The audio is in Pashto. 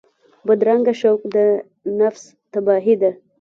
بدرنګه شوق د نفس تباهي ده